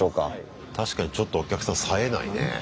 確かにちょっとお客さんさえないね。